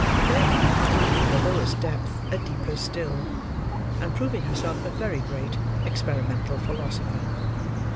Thereby finding in the lowest depth a deeper still; and proving herself a very great experimental philosopher.